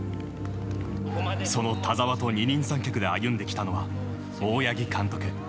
その田澤と二人三脚で歩んできたのは、大八木監督。